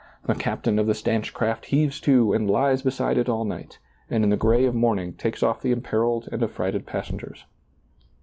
The captain of the stanch craft heaves to and lies beside it all night, and in the gray of morn ing takes off the imperiled and affrighted passen gers.